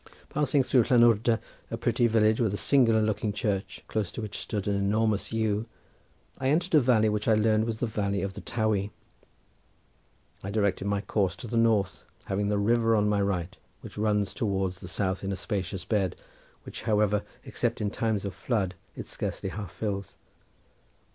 Passing through Llanwrda, a pretty village with a singular looking church, close to which stood an enormous yew, I entered a valley which I learned was the valley of the Towey. I directed my course to the north, having the river on my right, which runs towards the south in a spacious bed which, however, except in times of flood, it scarcely half fills.